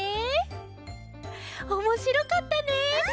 おもしろかったね！